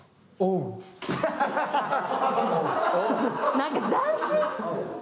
何か斬新。